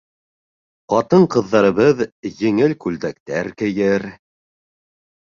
Ҡатын-ҡыҙҙарыбыҙ еңел күлдәктәр кейер.